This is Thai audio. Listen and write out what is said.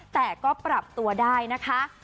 แต่ก็ปรับตัวได้นะคะ